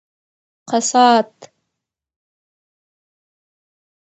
کسات